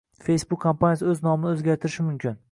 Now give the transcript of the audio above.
Facebook kompaniyasi o‘z nomini o‘zgartirishi mumkin